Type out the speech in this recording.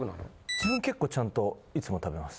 自分結構ちゃんといつも食べます。